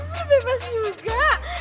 kamu bebas juga